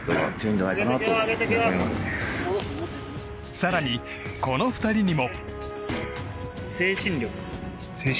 更に、この２人にも。